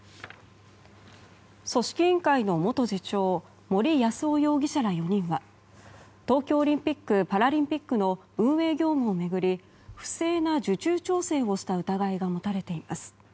組織委員会の元次長森泰夫容疑者ら４人は東京オリンピック・パラリンピックの運営業務を巡り不正な受注調整をした疑いが持たれています。